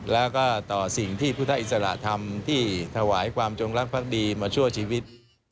แล้วก็ต่อสิ่งที่พุทธอิสระทำที่ถวายความจงรักภักดีมาชั่วชีวิต